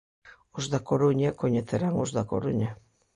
Os da Coruña coñecerán os da Coruña.